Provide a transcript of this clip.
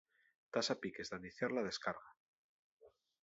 Tas a piques d'aniciar la descarga.